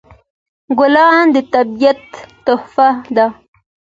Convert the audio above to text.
ګلان د طبیعت تحفه ده.